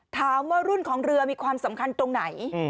ถามว่ารุ่นของเรือมีความสำคัญตรงไหน